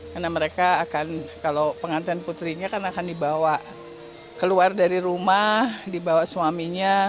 karena mereka akan kalau pengantin putrinya akan dibawa keluar dari rumah dibawa suaminya